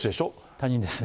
他人ですね。